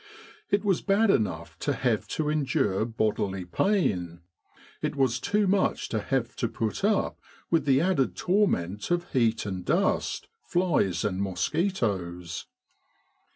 It was bad enough to have to endure bodily pain ; it was too much to have to put up with the added torment of heat and dust, flies and mosquitoes.